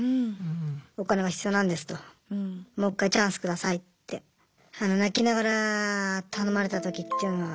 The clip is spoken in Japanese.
お金が必要なんですともう一回チャンス下さいって泣きながら頼まれた時っていうのは。